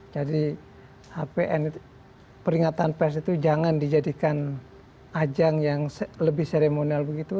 jadi hpn peringatan pers itu jangan dijadikan ajang yang lebih seremonial begitu